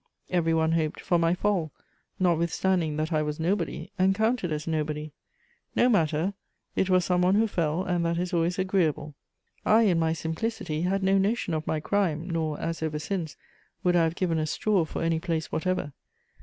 Every one hoped for my fall, notwithstanding that I was nobody and counted as nobody; no matter, it was some one who fell, and that is always agreeable. I, in my simplicity, had no notion of my crime, nor, as ever since, would I have given a straw for any place whatever.